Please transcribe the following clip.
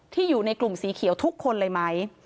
อยู่ในกลุ่มสีเขียวทุกคนเลยไหม